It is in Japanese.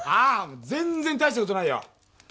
全然大したことないよ。